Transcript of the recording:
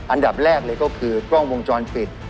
อันดับแรกเลยก็คือกล้องวงจรปิด